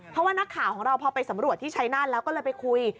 เพราะว่านักข่าวของเราพอไปสำรวจที่ชัยนาธิ์แล้วก็เลยไปคุย